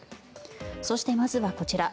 そして、まずはこちら。